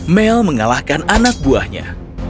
mel mengalahkan anak buahnya